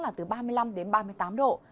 là từ ba mươi năm đến ba mươi tám độ